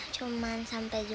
cuma sampai zuhur